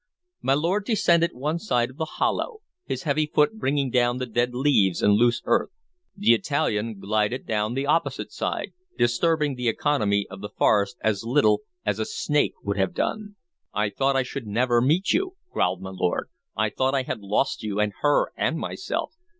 My lord descended one side of the hollow, his heavy foot bringing down the dead leaves and loose earth; the Italian glided down the opposite side, disturbing the economy of the forest as little as a snake would have done. "I thought I should never meet you," growled my lord. "I thought I had lost you and her and myself.